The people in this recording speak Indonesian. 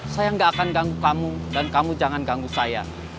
saya gak akan ganggu kamu dan kamu jangan ganggu saya